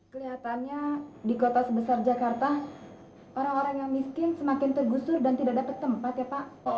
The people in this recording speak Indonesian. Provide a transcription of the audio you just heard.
kelihatannya di kota sebesar jakarta orang orang yang miskin semakin tergusur dan tidak dapat tempat ya pak